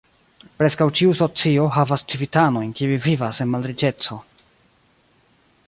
Preskaŭ ĉiu socio havas civitanojn kiuj vivas en malriĉeco.